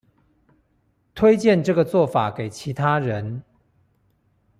推薦這個做法給其他人